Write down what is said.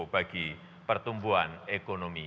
bagi pertumbuhan ekonomi